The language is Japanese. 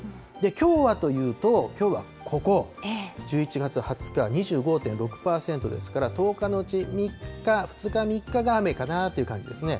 きょうはというと、きょうはここ、１１月２０日、２５．６％ですから、１０日のうち２日、３日が雨かなという感じですね。